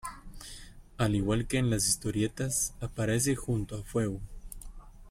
Al igual que en las historietas, aparece junto a Fuego.